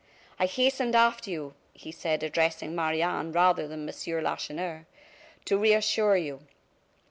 "I hastened after you," he said, addressing Marie Anne, rather than M. Lacheneur, "to reassure you.